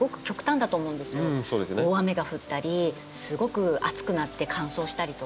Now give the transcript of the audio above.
大雨が降ったりすごく暑くなって乾燥したりとか。